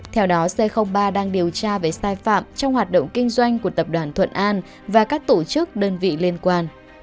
theo đó c ba đang điều tra về sai phạm trong hoạt động kinh doanh của tập đoàn thuận an và các tổ chức đơn vị liên quan